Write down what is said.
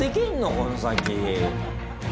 この先。